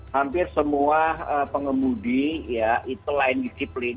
hampir semua pengemudi ya itu lain disiplin